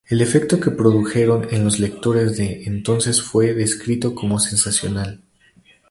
El efecto que produjeron en los lectores de entonces fue descrito como sensacional.